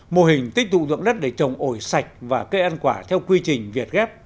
mô hình tích tụ dụng đất để trồng ổi sạch và cây ăn quả theo quy trình việt ghép